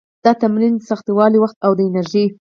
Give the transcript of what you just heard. د تمرین سختوالي، وخت او د انرژي